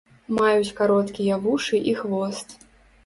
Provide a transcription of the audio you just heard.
Маюць кароткія вушы і хвост.